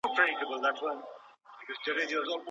د پوهي نوي کول د هر انسان اړتیا ده.